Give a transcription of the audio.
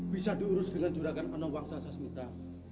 bisa diurus dengan jurakan anong wangsa sasmita